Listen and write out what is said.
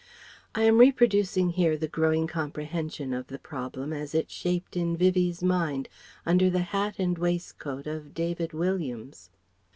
(I am reproducing here the growing comprehension of the problem as it shaped in Vivie's mind, under the hat and waistcoat of David Williams.)